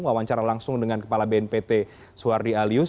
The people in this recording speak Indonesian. wawancara langsung dengan kepala bnpt suhardi alyus